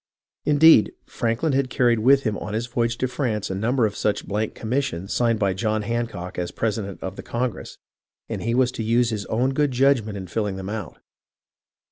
Indeed, Franklin had carried with him on his voyage to France a number of such blank commissions signed by John Hancock as President of the congress, and he was to use his own good judgment in filling them out.